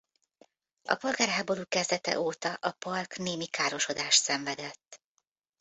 A polgárháború kezdete óta a park némi károsodást szenvedett.